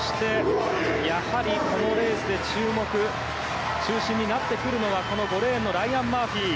やはりこのレースで注目中心になってくるのは５レーンのライアン・マーフィー。